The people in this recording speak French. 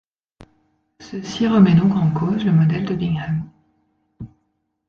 Ceci remet donc en cause le modèle de Bingham.